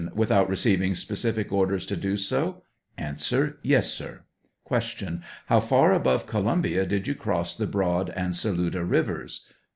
Without receiving specific orders to do so? A. Yes, sir. Q. How far above Columbia did you cross the Broad and Saluda rivers?